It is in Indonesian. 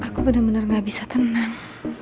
aku bener bener gak bisa tenang